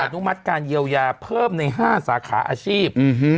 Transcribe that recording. นุมัติการเยียวยาเพิ่มใน๕สาขาอาชีพ